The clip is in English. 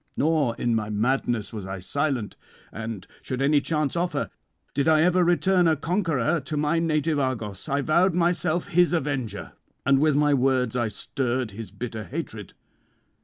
Nor in my madness was I silent: and, should any chance offer, did I ever return a conqueror to my native Argos, I vowed myself his avenger, and with my words I stirred his bitter hatred.